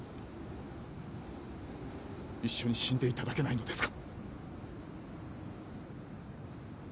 一緒に死んで頂けないのですか？